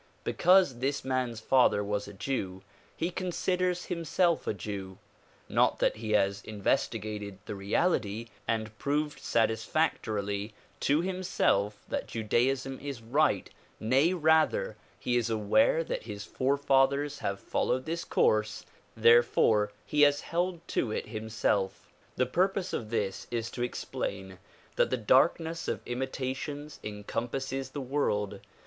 Because this man's father was a Jew he considers himself a Jew ; not that he has investigated the reality and proved satisfactorily to himself that Judaism is right; nay, rather, he is aware that his forefathers have followed this course, therefore he has held to it himself. The purpose of this is to explain that the darkness of imitations encompasses the world.